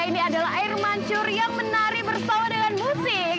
ini adalah air mancur yang menari bersama dengan musik